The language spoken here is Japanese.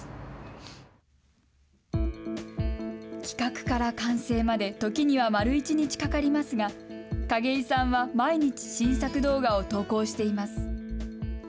企画から完成まで、時には丸一日かかりますが、景井さんは毎日、新作動画を投稿しています。